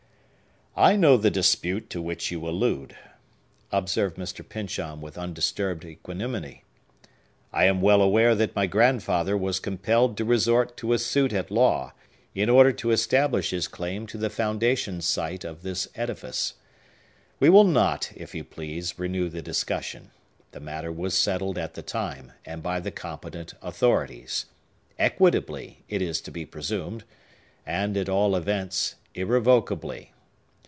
"I know the dispute to which you allude," observed Mr. Pyncheon with undisturbed equanimity. "I am well aware that my grandfather was compelled to resort to a suit at law, in order to establish his claim to the foundation site of this edifice. We will not, if you please, renew the discussion. The matter was settled at the time, and by the competent authorities,—equitably, it is to be presumed,—and, at all events, irrevocably.